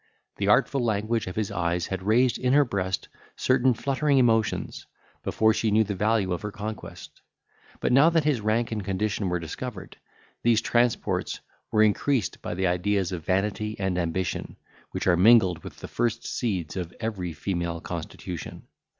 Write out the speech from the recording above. The artful language of his eyes had raised in her breast certain fluttering emotions, before she knew the value of her conquest; but now that his rank and condition were discovered, these transports were increased by the ideas of vanity and ambition, which are mingled with the first seeds of every female constitution.